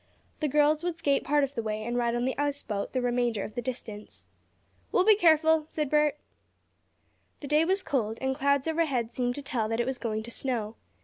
The girls would skate part of the way and ride on the ice boat the remainder of the distance. "We'll be careful," said Bert. The day was cold, and clouds overhead seemed to tell that it was going to snow.